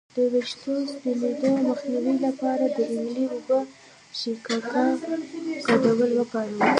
د ویښتو د سپینیدو مخنیوي لپاره د املې او شیکاکای ګډول وکاروئ